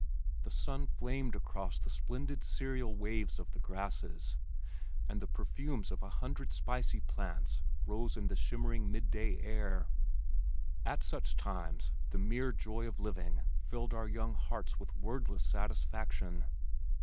The sun flamed across the splendid serial waves of the grasses and the perfumes of a hundred spicy plants rose in the shimmering mid day air. At such times the mere joy of living filled our young hearts with wordless satisfaction.